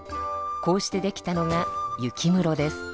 こうしてできたのが雪むろです。